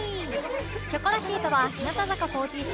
『キョコロヒー』とは日向坂４６